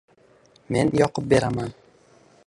men yoqib beraman...